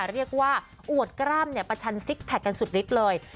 เรียกว่าอวดกล้ามประชันซิกแพคกันสุดฤทธิ์เลย